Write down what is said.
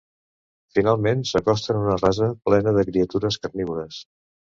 Finalment, s'acosten a una rasa plena de criatures carnívores.